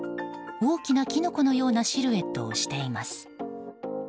大きなキノコのようなシルエットをしています。